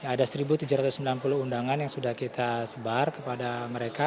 ada satu tujuh ratus sembilan puluh undangan yang sudah kita sebar kepada mereka